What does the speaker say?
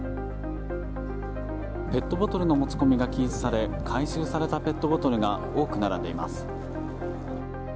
ペットボトルの持ち込みが禁止され回収されたペットボトルが多く並んでいます。